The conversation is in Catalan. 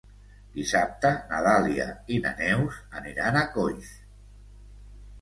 Dissabte na Dàlia i na Neus aniran a Coix.